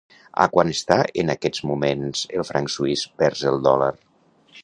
A quant està en aquests moments el franc suís vers el dòlar?